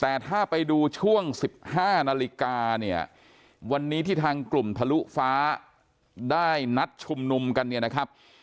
แต่ถ้าไปดูช่วง๑๕นาฬิกาเนี่ยวันนี้ที่ทางกลุ่มทะลุฟ้าได้นัดชุมนุมกันเนี่ยนะครับ